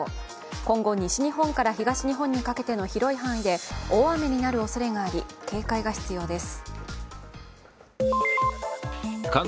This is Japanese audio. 今後、西日本から東日本にかけての広い範囲で大雨になるおそれがあり警戒が必要です。